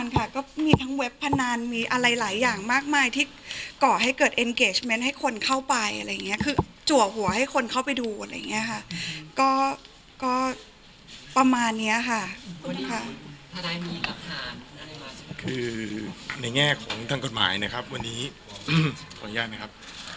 คือในแง่ของทางกฎหมายนะครับวันนี้ขออนุญาตไหมครับ